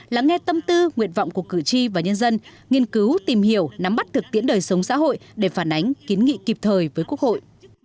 lắng nghe tâm tư nguyện vọng của cử tri và nhân dân nghiên cứu tìm hiểu nắm bắt thực tiễn đời sống xã hội để phản ánh kiến nghị kịp thời với quốc hội